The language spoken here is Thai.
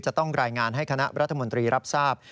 จะต้องรายงานให้คณะรัฐมนตรีรับทราบ